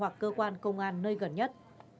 hoặc cơ quan công an nơi gần nhất